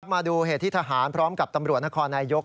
มาดูเหตุที่ทหารพร้อมกับตำรวจนครนายยก